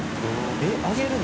えっあげるの？